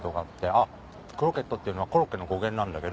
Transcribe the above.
あっクロケットっていうのはコロッケの語源なんだけど。